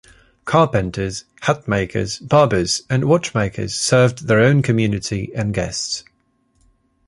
Carpenters, hat-makers, barbers and watchmakers served their own community and guests.